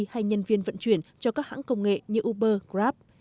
hay nhân viên vận chuyển cho các hãng công nghệ như uber grab